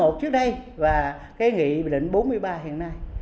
một trăm tám mươi một trước đây và cái nghị định bốn mươi ba hiện nay